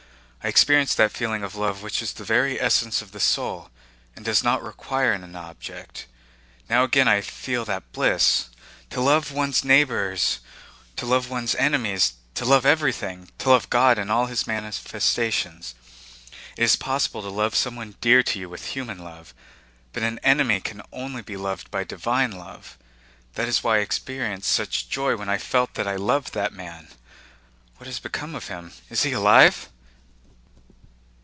I experienced that feeling of love which is the very essence of the soul and does not require an object. Now again I feel that bliss. To love one's neighbors, to love one's enemies, to love everything, to love God in all His manifestations. It is possible to love someone dear to you with human love, but an enemy can only be loved by divine love. That is why I experienced such joy when I felt that I loved that man. What has become of him? Is he alive?...